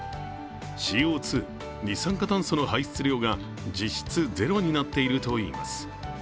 ＣＯ２＝二酸化炭素の排出量が実質ゼロになっているといいます。